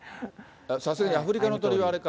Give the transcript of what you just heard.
さすがにアフリカの鳥はあれか。